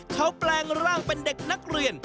เขาแปลงร่างเป็นเด็กนักเรียน